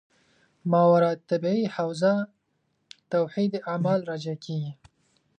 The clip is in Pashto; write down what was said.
ماورا الطبیعي حوزه توحید اعمال راجع کېږي.